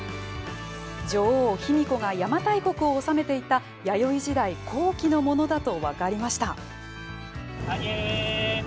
女王・卑弥呼が邪馬台国を治めていた弥生時代後期のものだと分かりました。